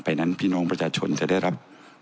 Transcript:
ไปนั้นพี่น้องประชาชนจะได้รับประโยชน์ของเรา